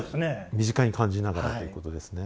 身近に感じながらということですね。